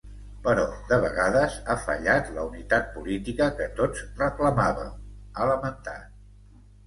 Però, de vegades, ha fallat la unitat política que tots reclamàvem, ha lamentat.